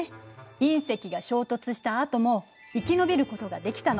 隕石が衝突したあとも生き延びることができたの。